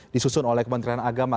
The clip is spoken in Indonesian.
disusun oleh kementerian agama